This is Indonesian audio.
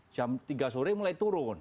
jam tiga sore mulai turun